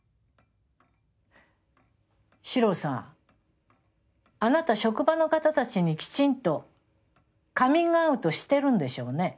史朗さんあなた職場の方たちにきちんとカミングアウトしてるんでしょうね？